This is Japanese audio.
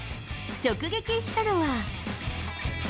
直撃したのは。